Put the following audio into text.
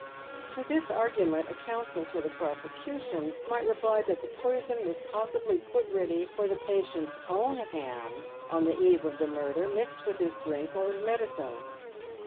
To this argument a counsel for the prosecution might reply that the poison was possibly put ready tor the patient's own hand, on the eve of the murder, mixed with his drink or his medicine.